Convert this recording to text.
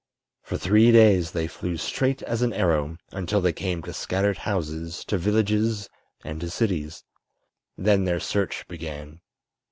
For three days they flew straight as an arrow, until they came to scattered houses, to villages, and to cities. Then their search began.